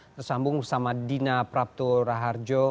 tersambung sama dina prapturaharjo